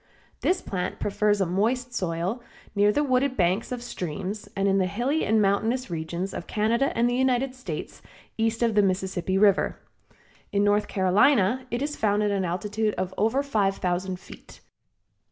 This plant prefers a moist soil near the wooded banks of streams and in the hilly and mountainous regions of Canada and the United States, east of the Mississippi River. In North Carolina it is found at an altitude of over five thousand feet.